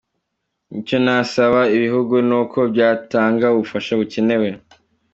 Icyo nasaba ibihugu ni uko byatanga ubufasha bukenewe.